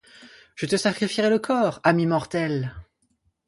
Je te sacrifierai le corps, âme immortelle!